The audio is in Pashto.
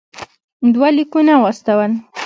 دوه لیکونه واستول.